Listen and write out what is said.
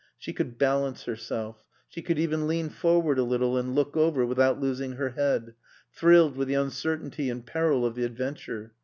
She could balance herself; she could even lean forward a little and look over, without losing her head, thrilled with the uncertainty and peril of the adventure.